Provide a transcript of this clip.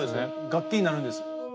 楽器になるんです。